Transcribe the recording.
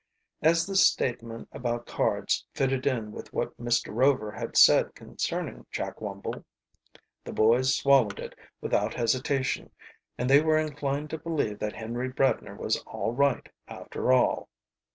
As this statement about cards fitted in with what Mr. Rover had said concerning Jack Wumble, the boys swallowed it without hesitation, and they were inclined to believe that Henry Bradner was all right, after all.